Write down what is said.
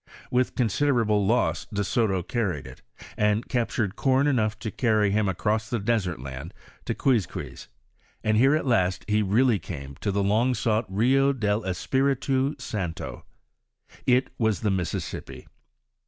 With considerable loss De*Soto carried it, and captured corn enough to cany him across the desert land to Qnizquiz, and here at last he really came to the long sought Kio del Espiritu Santo. It was the Mississippi.